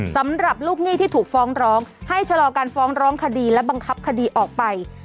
สำหรับลูกหนี้ที่ถูกฟ้องร้องให้ชะลอการฟ้องร้องคดีและบังคับคดีออกไป